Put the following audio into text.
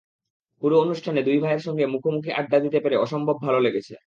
পুরো অনুষ্ঠানে দুই ভাইয়ের সঙ্গে মুখোমুখি আড্ডা দিতে পেরে অসম্ভব ভালো লেগেছে।